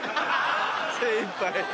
精いっぱい。